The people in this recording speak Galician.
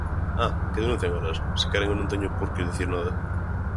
¡Ah!, ¡que denuncien elas, se queren, eu non teño por que dicir nada!